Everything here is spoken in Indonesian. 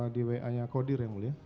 di wa nya kodir yang mulia